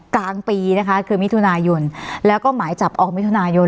กลางปีนะคะคือมิถุนายนแล้วก็หมายจับออกมิถุนายน